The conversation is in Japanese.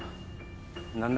何だ？